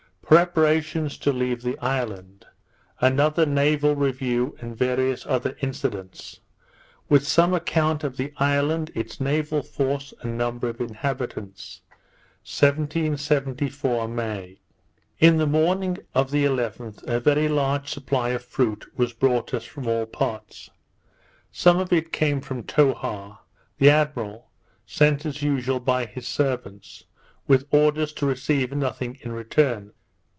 _Preparations to leave the Island. Another Naval Review, and various other Incidents; with some Account of the Island, its Naval Force, and Number of Inhabitants._ 1774 May In the morning of the 11th, a very large supply of fruit was brought us from all parts. Some of it came from Towha, the admiral, sent as usual by his servants, with orders to receive nothing in return.